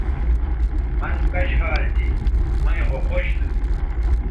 مَن کش حال تھی ھویں خو خوش تھو